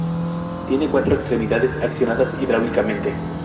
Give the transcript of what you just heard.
Tiene cuatro extremidades accionadas hidráulicamente.